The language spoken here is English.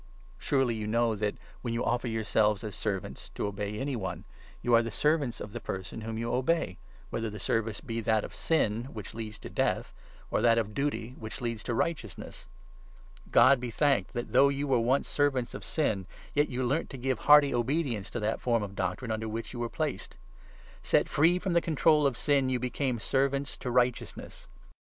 Surely you know that, when you offer yourselves as servants, 16 to obey any one, you are the servants of the person whom you obey, whether the service be that of Sin which leads to Death, or that of Duty which leads to Righteousness. God be thanked 17 that, though you were once servants of Sin, yet you learnt to give hearty obedience to that form of doctrine under which you were placed. Set free from the control of Sin, you became 18 servants to Righteousness.